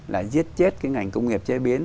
là giết chết cái ngành công nghiệp chế biến